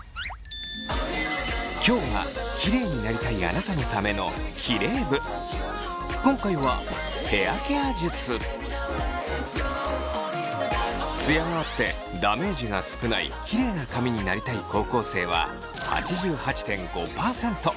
今日はキレイになりたいあなたのための今回はツヤがあってダメージが少ないキレイな髪になりたい高校生は８８．５％。